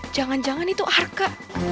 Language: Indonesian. jangan jangan itu harka